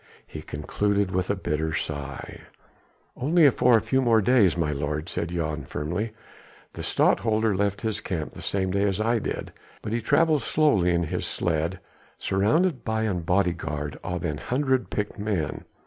he concluded with a bitter sigh. "Only for a few more days, my lord," said Jan firmly. "The Stadtholder left his camp the same day as I did. But he travels slowly, in his sledge, surrounded by a bodyguard of an hundred picked men.